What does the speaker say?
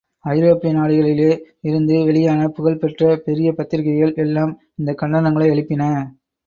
ஐரோப்பிய நாடுகளிலே இருந்து வெளியான புகழ் பெற்ற பெரிய பத்திரிகைகள் எல்லாம் இந்தக் கண்டனங்களை எழுப்பின.